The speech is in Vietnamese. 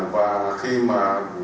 và khi mà